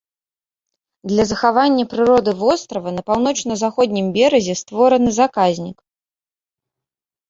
Для захавання прыроды вострава на паўночна-заходнім беразе створаны заказнік.